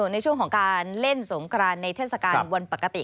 ในช่วงของการเล่นสงกรานในเทศกาลวันปกติ